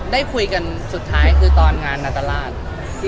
ได้คุยกันสุดท้ายคือตอนงานนาตราช